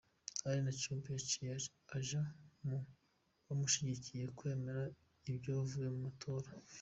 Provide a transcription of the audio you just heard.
Alain Juppé yaciye aja mu bamushigikiye kwemera ivyavuye mu matora.